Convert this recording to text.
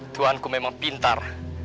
tuhanku memang pintar